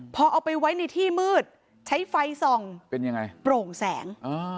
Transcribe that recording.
พอเอาไปไว้ในที่มืดใช้ไฟส่องเป็นยังไงโปร่งแสง